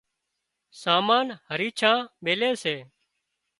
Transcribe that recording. سامان هريڇان ميلي سي